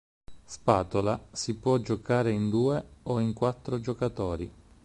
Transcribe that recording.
Spatola si può giocare in due o in quattro giocatori.